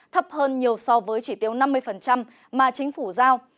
thấp hơn nhiều so với chỉ tiêu năm mươi mà chính phủ giao